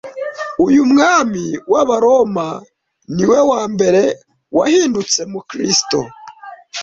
uyu mwami w'Abaroma niwe wambere wahindutse mubukristo